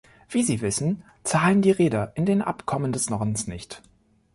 Wie Sie wissen, zahlen die Reeder in den Abkommen des Nordens nicht.